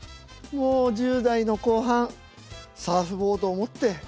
もう１０代の後半サーフボードを持って。